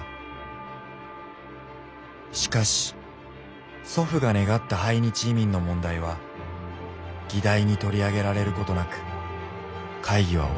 しかし祖父が願った排日移民の問題は議題に取り上げられることなく会議は終わった。